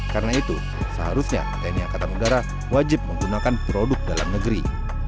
karena itu seharusnya tni angkatan negara wajib menggunakan produk dalam negeri